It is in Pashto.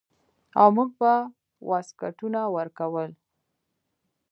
او موږ به واسکټونه ورکول.